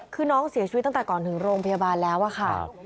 คือน้องเสียชีวิตตั้งแต่ก่อนถึงโรงพยาบาลแล้วอะค่ะ